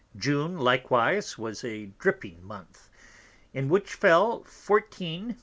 June_ likewise was a dripping Month, in which fell 14,55 _l.